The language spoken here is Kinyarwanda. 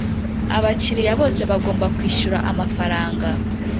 Abakiriya bose bagomba kwishyura amafaranga